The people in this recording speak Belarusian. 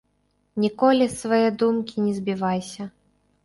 Ніколі з свае думкі не збівайся.